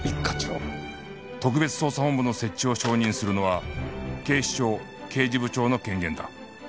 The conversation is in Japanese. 特別捜査本部の設置を承認するのは警視庁刑事部長の権限だ